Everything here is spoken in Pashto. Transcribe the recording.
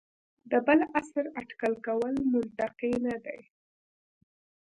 د بل عصر اټکل کول منطقي نه دي.